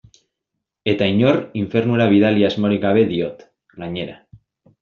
Eta inor infernura bidali asmorik gabe diot, gainera.